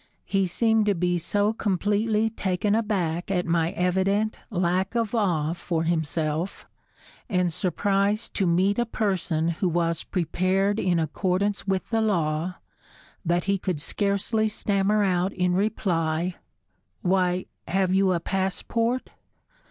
He seemed to be so completely taken aback at my evident lack of awe for himself, and surprised to meet a person who was prepared in accordance with the law, that he could scarcely stammer out in reply, "Why, have you a passport?"